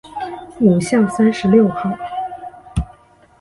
五巷三十六号